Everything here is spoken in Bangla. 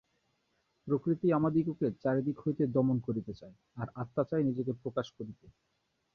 প্রকৃতি আমাদিগকে চারিদিক হইতে দমন করিতে চায়, আর আত্মা চায় নিজেকে প্রকাশ করিতে।